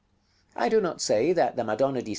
I do not say that the Madonna di S.